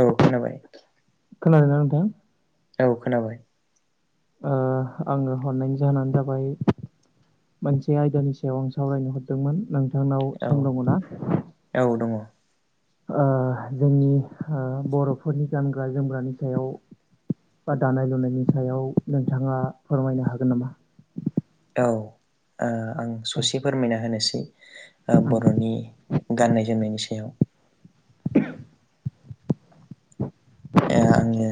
औ खोनाबाय खोनादों ना नोंथां औ खोनाबाय ओ आङो हरनायनि जाहोनानो जाबाय मोनसे आयदानि सायाव आं सावरायनो हरदोंमोन नोंथां नाव औ सम दङ ना औ दङ औ ओ जोंनि ओ बर'फोरनि गानग्रा जोमग्रानि सायाव बा दानाय लुनायनि सायाव नोंथाङा फोरमायनो हागोन नामा औ ओ आं ससे फोरमायना होनोसै ओ बर'नि गाननाय जोमनायनि सायाव ओ आङो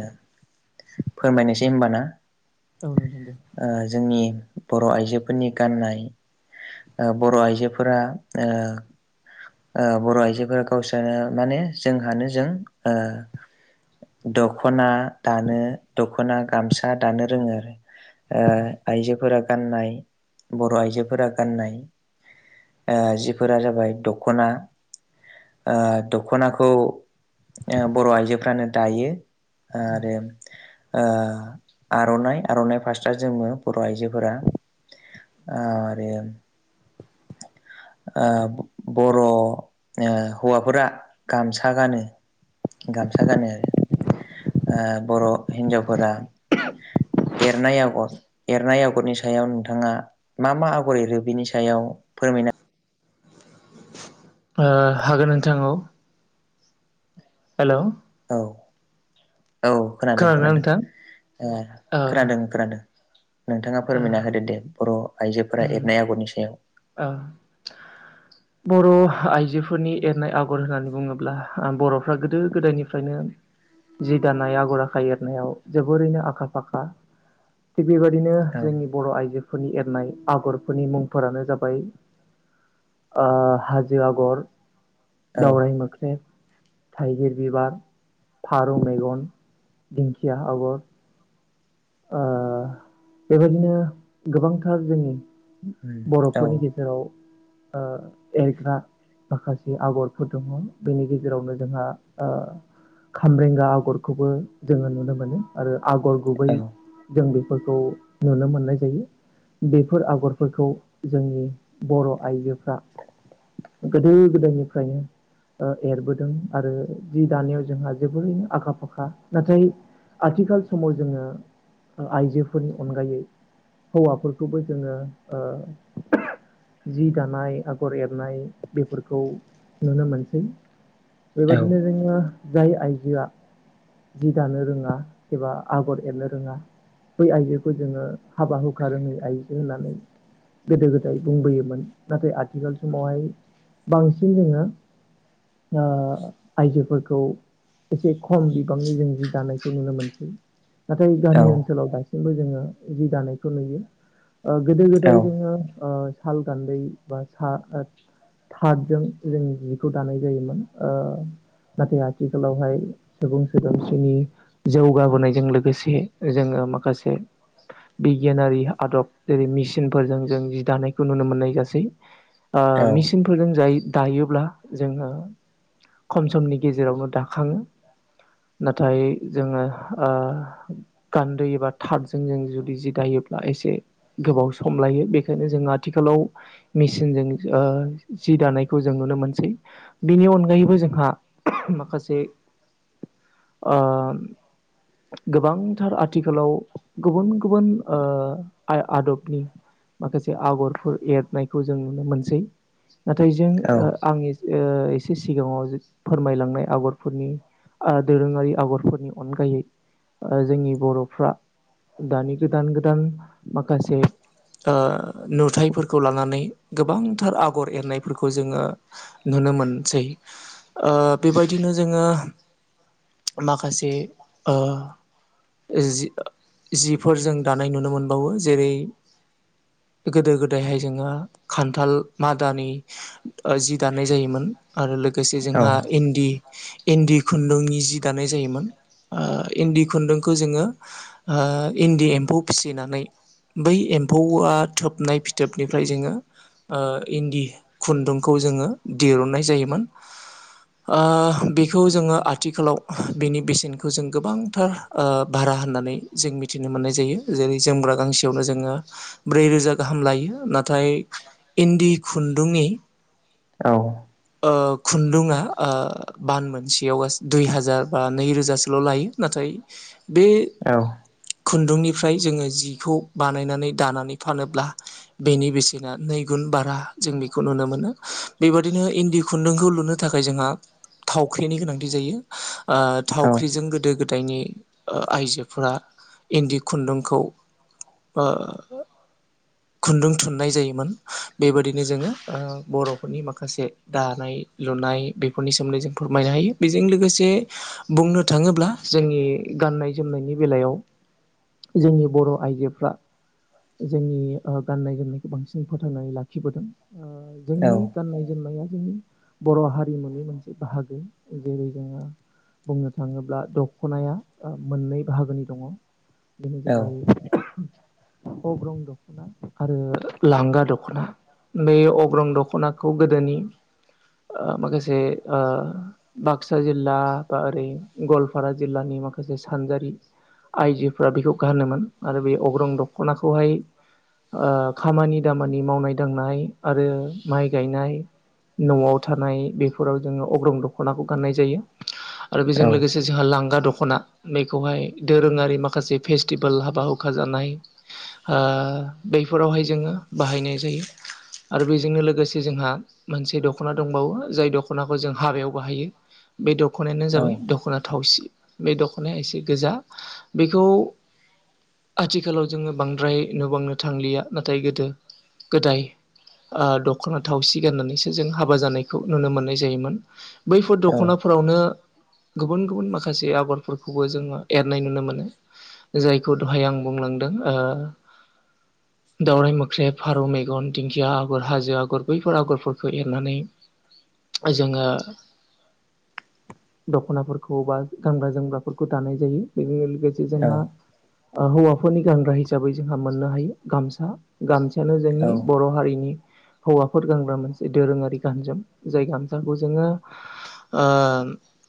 फोरमायनोसै हबाना औ नोंथां दे। ओ जोंनि बर' आइजोफोरनि गाननाय ओ बर' आइजोफोरा ओ ओ बर' आइजोफोरा गावसोरानो माने जोंहानो जों ओ दख'ना दानो दख'ना गामसा दानो रोङो आरो ओ आइजोफोरा गाननाय बर' आइजोफोरा गाननाय ओ जिफोरा जाबाय दख'ना ओ दख'नाखौ ओ बर' आइजोफ्रानो दायो आरो ओ आर'नाइ आर'नाइ फास्रा जोमो बर' आइजोफोरा आरो आ ओ बर' ओ हौवाफोरा गामसा गानो गामसा गानो आरो ओ बर' हिनजावफोरा एरनाय आगर एरनाय आगरनि सायाव नोंथाङा मा मा आगर एरो बेनि सायाव फोरमायना ओ हागोन नोंथां औ हेल' औ औ खोनादों खोनादोंना खोनादों नोंथां? ओ खोनादों खोनादों नोंथाङा ओ फोरमायना होदो दे बर' आइजोफोरा उम एरनाय आगरनि सायाव ओ बर' आइजोफोरनि एरनाय आगर होननानै बुङोब्ला बर'फ्रा गोदो गोदायनिफ्रायनो जि दानाय आगर आखाइ एरनायाव जोबोरैनो आखा फाखा बेबायदिनो औ जोंनि बर' आइजोफोरनि एरनाय आगरफोरनि मुंफोरानो जा बाय ओ हाजो आगर दावराय मोख्रेब थाइगिर बिबार फारौ मेगन दिंखिया आगर आ बेबायदिनो गोबांथार जोंनि बर'फोरनि गेजेराव ओ एरग्रा माखासे आगरफोर दङ बेनि गेजेरावनो जोंहा आ खामरेंगा आगरखौबो जोङो नुनो मोनो आरो आगर गुबै जों बेफोरखौ नुनो मोननाय जायो बेफोर आगरफोरखौ जोंनि बर' आइजोफ्रा गोदो गोदायनिफ्रायनो ओ एरबोदों आरो जि दानायाव जोंहा जोबोरैनो आखा फाखा नाथाय आथिखाल समाव जोङो आइजोफोरनि अनगायै हौवाफोरखौबो जोङो ओ जि दानाय आगर एरनाय बेफोरखौ नुनो मोनसै बेबायदिनो जोङो जाय आइजोआ जि दानो रोङा एबा आगर एरनो रोङा बै आइजोखौ जोङो हाबा हुखा रोङै आइजो होननानै गोदो गोदाय बुंबोयोमोन नाथाय आथिखाल समावहाय बांसिन जोङो ओ आइजोफोरखौ एसे खम बिबांनि जों जि दानायखौ नुनो मोनसै नाथाय गामि ओनसोलाव दा सिमबो जोङो जि दानायखौ नुयो ओ गोदो गोदाय जोङो ओ साल गान्दै बा सा ओ थार्डजों जों जिखौ दानाय जायोमोन ओ नाथाय आथिखालावहाय सुबुं सोदोमस्रिनि जौगाबोनायजों लोगो से जोङो माखासे बिगियानारि आदब जेरै मेसिनफोरजों जों जि दानायखौ नुनो मोननाय जासै ओ मेसिनफोरजों जाय दायोब्ला जोङो खम समनि गेजेरावनो दाखाङो नाथाय जोङो ओ गान्दै एबा थादजों जों जुदि जि दायोब्ला एसे गोबाव सम लायो बेखायनो जोङो आथिखालाव मेसिनजों ओ जि दानायखौ जों नुनो मोनसै बिनि अनगायै बो जोंहा माखासे [inaudible] आ गोबांथार आथिखालाव गुबुन गुबुन ओ आदबनि माखासे आगरफोर एरनायखौ जों नुनो मोनसै नाथाय जों आं ओ एसे सिगाङाव फोरमायलांनाय आगरफोरनि दोरोङारि आगरफोरनि अनगायै जोंनि बर'फ्रा दानि गोदान गोदान माखासे नुथायफोरखौ लानानै गोबांथार आगर एरनायफोरखौ जोङो नुनो मोनसै बेबायदिनो जोङो माखासे ओ जि जिफोर जों दानाय नुनो मोनबावो जेरै गोदो गोदायहाय जोङो खान्थाल मादानि जि दाननाय जायोमोन। आरो लोग गोसे जोंहा इन्दि इन्दि खुन्दुंनि जि दानाय जायोमोन इन्दि खुन्दुंखौ जोङो ओ इन्दि एम्फौ फिसिनानै बै एम्फौआ थोबनाय फिथोबनिफ्राय जोङो आ इन्दि खुन्दुंखौ जोहो दिरुननाय जायोमोन। आ बेखौ जोङो आथिखालाव बेनि बेसेनखौ जों गोबांथार ओ भारा होननानै जों मिथिनो मोननाय जायो जेरै जोमग्रा गांसेयावनो जोङो ब्रै रोजा गा हाम लायो नाथाय इन्दि खुन्दुंनि औ ओ खुन्दुङा ओ बान मोनसेयाव गासै दुइ हाजार बा नैरोजासोल' लायो नाथाय बे खुन्दुंनिफ्राय जोङो जिखौ बानायनानै दानानै फानोब्ला बेनि बेसेना नै गुन बारा जों बेखौ नुनो मोनो बेबायदिनो इन्दि खुन्दुंखौ लुनो थाखाय जोंहा थावख्रिनि गोनांथि जायो आ थावख्रिजों गोदो गोदायनि आइजोफोरा इन्दि खुन्दुंखौ आ [inaudible] खुन्दुं थुननाय जायोमोन बेबायाददिनो जोङो बर'फोरनि माखासे दानाय लु नाय बेफोरनि सोमोन्दै जों फोरमायनो हायो बेजों लोगोसे बुंनो थाङोब्ला जोंनि गाननाय जोमनायनि बेलायाव जोंनि बर' आइजोफ्रा जोंनि गाननाय जोमनायखौ बांसिन फोथांनानै लाखिबोदों ओ जोंनि गाननाय जोमनाया जोंनि बर' हारिमुनि मोनसे बाहागो जेरै जोङो बुंनो थाङोब्ला दख'नाया मोननै बाहागोनि दङ बेनो जाबाय अग्रं दख'ना आरो लांगा दख'ना बे अग्रं दख'नाखौ गोदोनि माखासे ओ बाक्सा जिल्ला बा ओरै गवालपारा जिल्लानि माखा माखासे सानजारि आइजोफ्रा बेखौ गानोमोन आरो बे अग्रं दख'नाखौहाय आ खामानि दामानि मावनाय दांनाय आरो माइ गायनाय न'आव थानाय बेफोराव जोङो अग्रं दख'नाखौ गाननाय जायो। आरो बेजों लोगोसे जोंहा लांगा दख'ना बेखौहाय दोरोङारि माखासे फेस्टिभेल हाबा हुखा जानाय आ बैफोरावहाय जोङो बाहायनाय जायो। आरो बेजोंनो लोगोसे जोंहा मोनसे दख'ना दंबावो जाय दख'नाखौ जों हाबायाव बाहायो। बे दख'नायानो जाबाय दख'ना थावसि बे दख' नाया एसे गोजा बेखौ आथिखालाव जोङो बांद्राय नुबावनो थांलिया नाथाय गोदो गोदाय आ दख'ना थावसि गाननानैसो जों हाबा जानायखौ नुनो मोन्नाय जायोमोन बैफोर दख'नाफो फोरावनो गुबुन गुबुन माखासे आगरफोर खौबो जोङो एरनाय नुनो मोनो जायखौ दहाय आं बुंलांदों ओ [inaudible] दावराय मोख्रे फारौ मेगन दिंखिया आगर हाजो आगर बैफोर आगरफोरखौ एरनानै। जोङो दख'नाफोरखौ बा गानग्रा जोमग्रा फोरखौ दानाय जायो बेजोंनो लोगोसे जोंहा हौवाफोरनि गानग्रा हिसाबै जोंहा मोननो हायो गामसा गामसायानो जोंनि बर' हारिनि हौवाफोर गानग्रा मोनसे दोरोङारि गानजोम जाय गामसाखौ जोङो ओ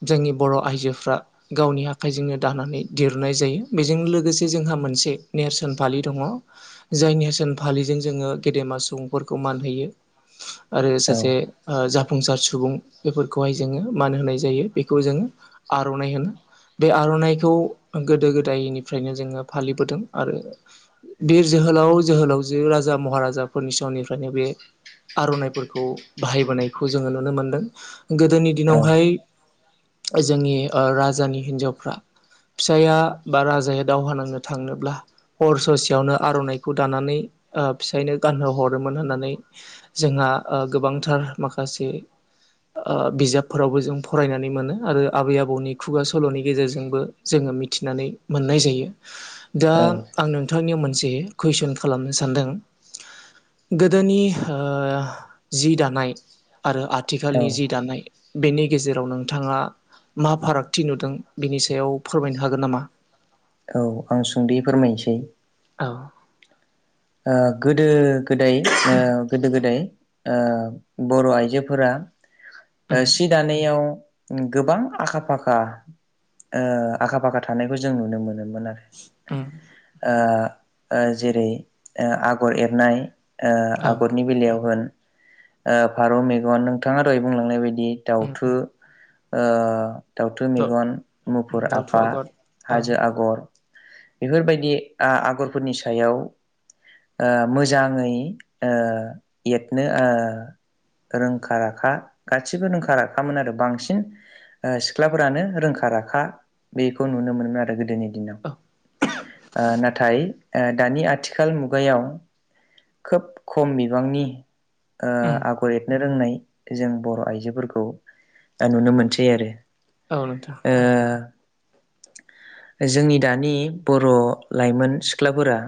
जोंनि बर' आइजोफ्रा गावनि आ आखाइजोंनो दानानै दिरुनाय जायो बेजों लोगोसे जोंहा मोनसे नेरसोन फालि दङ जायनिसोन फालिजों जोङो गेदेमा सुबुंफोरखौ मान होयो। औ। आरो सासे आं जा जाफुंसार सुबुं बेफोरखौहाय जोङो मान होनाय जायो बेखौ जोङो आर'नाइ होनो। बे आर'नाइखौ गोदो गोदायनिफ्रायनो जोङो फालिबोदों आरो बिर जोहोलाव जोहोलावजो राजा महाराजाफोरनि समनिफ्रायनो बे आर'नाइफोरखौ बाहायबोनायखौ जोङो नुनो मोनदों गोदोनि दिनावहाय जोंनि राजानि हिन्जावफ्रा फिसाया बा राजाया दावहा नांनो थांनोब्ला हर ससेयावनो आर'नाइखौ दानानै फिसायनो गानहो हरोमोन होननानै जोंहा गोबांथार माखासे बिजाबफोरावबो जों फरायनानै मोनो आरो आबै आबौनि खुगा सल'नि गेजेरजोंबो जोङो मिथिनानै मोननाय जायो दा औ आं नोंथांनियाव मोनसे मोन कुइसन खालामनो सानदों गोदोनि जि दानाय आरो आथिखालनि औ जि दानाय बेनि गेजेराव नोंथाङा मा फारागथि नुदों बिनि सायाव फोरमायनो हागोन नामा। औ आं सुंदै फोरमायनोसै औ। गोदो गोदाय गोदो गोदाय बर' आइजोफोरा उम सि दानायाव गोबां आखा फाखा आखा फाखा थानायखौ जों नुनो मोनोमोन। उम जेरै आगर एरनाय औ आगरनि बेलायाव होन फारौ मेगन नोंथाङा दहाय बुंलांनाय बायदि उम दाउथु उम दाउथु दाउ मेगन मुफुर दाउथु आफा आगर औ हाजो आगर बेफोरबायदि आगरफोरनि सायाव मोजाङै एरनो रोंखा राखा गासिबो रोंखा राखामोन आरो बांसिन सिख्लाफोरानो रोंखा राखा बेखौ नुनो मोनोमोन आरो गोदोनि दिनाव औ नाथाय दानि आथिखाल मुगायाव खोब खम बिबांनि उम आगर एरनो रोंनाय जों बर' आइजोफोरखौ दा नुनो मोनसै आरो औ नोंथां ओ जोंनि दानि बर' लाइमोन सिख्लाफोरा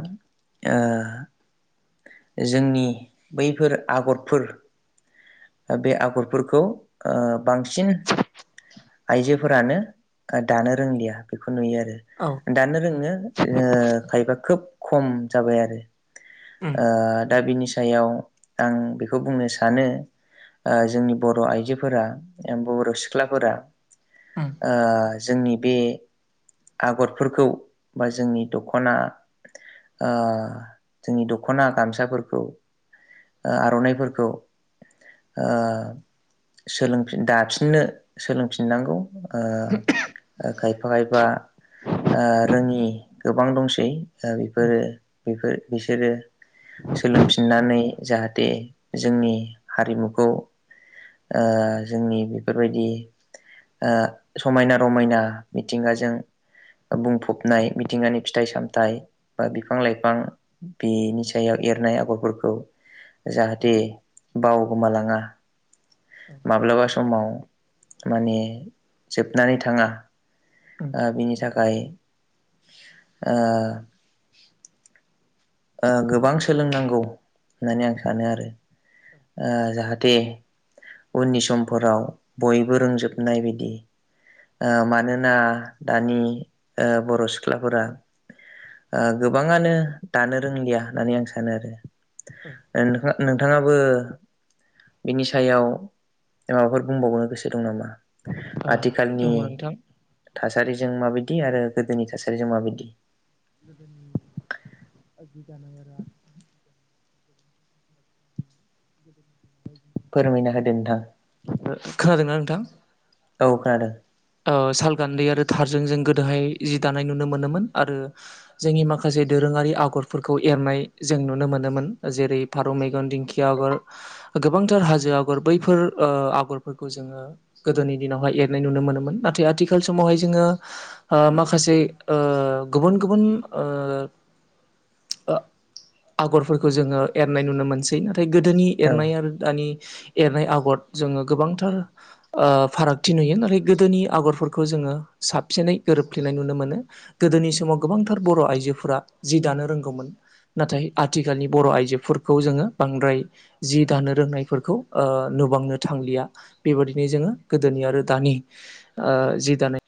जोंनि बैफोर आगरफोर बे आगरफोरखौ बांसिन आइजोफोरानो दानो रोंलिया बेखौ नुयो आरो। औ दानो रोङो खायफा खोब खम जाबाय आरो। उम दा बिनि सायाव आं बेखौ बुंनो सानो। जोंनि बर' आइजोफोरा बर' सिख्लाफोरा उम जोंनि बे आगरफोरखौ बा जोंनि दख'ना जोंनि द दख'ना गामसाफोरखौ आर'नाइफोरखौ सोलोंफिन दाफिननो सोलोंफिननांगौ खायफा खायफा रोङि गोबां दंसै उम बेफोरोफोर बिसोरो। सोलोंफिननानै जाहाथे जोंनि हारिमुखौ जोंनि बेफोरबायदि समायना रमायना मिथिंगाजों बुंफबनाय मिथिंगानि फिथाइ सामथाइ बा बिफां लाइफां बेनि सा जायाव एरनाय आगरफोरखौ औ जाहाथे बावगोमालाङा। औ माब्लाबा समाव माने जोबनानै थाङा। उम बिनि थाखाय ओ गोबां सोलोंनांगौ होननानै आं सानो आरो। जाहाथे उननि समफोराव बयबो रोंजोबनाय बायदि मानोना दानि बर' सिख्लाफोरा गोबाङानो दानो रोंलिया होननानै आं सानो आरो। औ नोंथाङाबो बिनि सायाव माबाफोर बुंबावनो गोसो दं नामा? ओ आथिखालनि दङ नोंथां थासारिजों माबायदि दि आरो गोदोनि थासारिजों माबायदि गोदोनि जि दानाय आरो आथिखालनि [inaudible] फोरमायना होदो नोंथां औ खोनादों। सालगान्दै आरो थारजों जों गोदोहाय जि दानाय नुनो मोनोमोन आरो जोंनि माखासे। जे दोरोङारि आगरफोरखौ एरनाय जों नुनो मोनोमोन जेरै फारौ मेगन दिंखिया आगर गोबांथार हाजो आगर बैफोर आगरफोरखौ जोङो गोदोनि दिनावहाय एरनाय नुनो मोनोमोन। नाथाय आथिखाल समावहाय जोङो माखासे गुबुन गुबुन ओ। [inaudible] आगरफोरखौ जोङो एरनाय नुनो मोनसै न ओमफ्राय गोदोनि औ एरनाय आरो दानि। एरनाय आगर जोङो गोबांथार फारागथि नुयो नाथाय गोदोनि आगरफोरखौ जोङो साबसिनै गोरोबफ्लेनाय नुनो मोनो गोदोनि समाव गोबांथार बर' आइजो जोफोरा जि दानो रोंगौमोन नाथाय आथिखालनि बर' आइजोफोरखौ जोङो बांद्राय। जि दानो रोंनायफोरखौ नुबांनो थांलिया बेबायदिनो जोङो गोदोनि आरो दानि जि दानाय